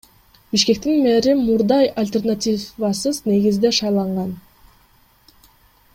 Бишкектин мэри мурда альтернативасыз негизде шайланган.